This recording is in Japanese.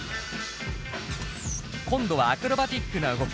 今度はアクロバティックな動き。